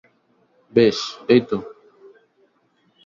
বেশ, এইতো।